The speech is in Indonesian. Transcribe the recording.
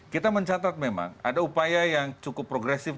kita mencatat memang ada upaya yang cukup progresif